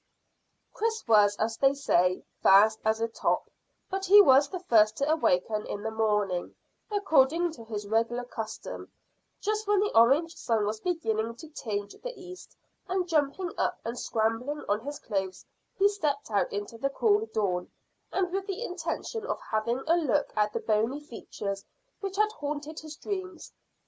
WENT OFF TO SLEEP. Chris was, as they say, "fast as a top," but he was the first to awaken in the morning, according to his regular custom, just when the orange sun was beginning to tinge the east, and jumping up and scrambling on his clothes he stepped out into the cool dawn, with the intention of having a look at the bony features which had haunted his dreams.